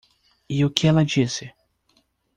E o que ela disse?